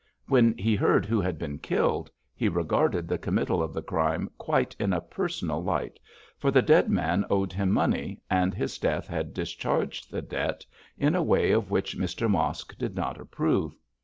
When he heard who had been killed, he regarded the committal of the crime quite in a personal light, for the dead man owed him money, and his death had discharged the debt in a way of which Mr Mosk did not approve.